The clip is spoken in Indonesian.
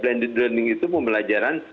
blended learning itu pembelajaran